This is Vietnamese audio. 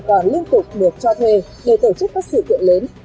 còn liên tục được cho thuê để tổ chức các sự kiện lớn